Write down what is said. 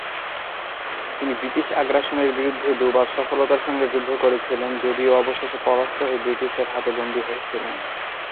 তিনি ব্রিটিশ আগ্রাসনের বিরুদ্ধে দু'বার সফলতার সঙ্গে যুদ্ধ করেছিলেন, যদিও অবশেষে পরাস্ত হয়ে ব্রিটিশের হাতে বন্দী হয়েছিলেন।